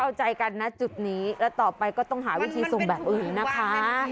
เข้าใจกันนะจุดนี้แล้วต่อไปก็ต้องหาวิธีส่งแบบอื่นนะคะ